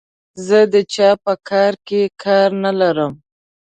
زه د چا په کار کې کار نه لرم.